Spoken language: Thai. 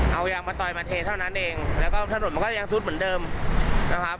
เอายางมะตอยมาเทเท่านั้นเองแล้วก็ถนนมันก็ยังซุดเหมือนเดิมนะครับ